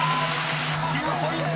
［９ポイント！］